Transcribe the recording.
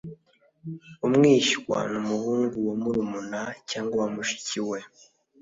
Umwishywa ni umuhungu wa murumuna cyangwa mushiki we.